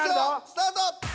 スタート。